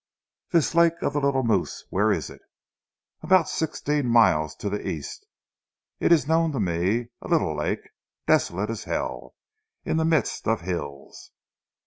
"This lake of the Little Moose, where is it?" "About sixteen miles to zee East. It ees known to me. A leetle lak' desolate as hell, in zee midst of hills.